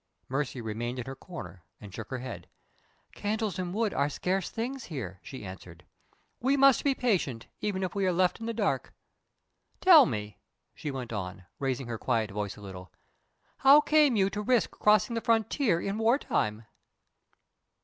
Mercy remained in her corner and shook her head. "Candles and wood are scarce things here," she answered. "We must be patient, even if we are left in the dark. Tell me," she went on, raising her quiet voice a little, "how came you to risk crossing the frontier in wartime?"